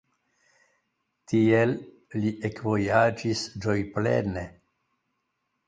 Tiel li ekvojaĝis ĝojplene.